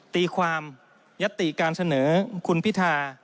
ตีความยัตติการเสนอคุณพิธา